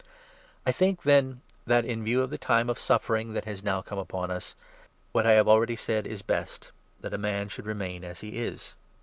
I think, then, that, in view of the time of suffering that has 26 now come upon us, what I have already said is best — that a man should remain as he is.